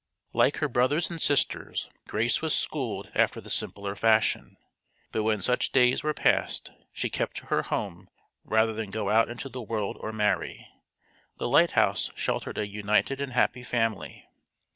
Like her brothers and sisters, Grace was schooled after the simpler fashion. But when such days were passed she kept to her home rather than go out into the world or marry. The lighthouse sheltered a united and happy family.